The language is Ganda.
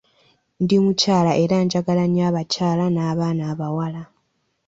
Ndi mukyala era njagala nnyo abakyala n’abaana abawala.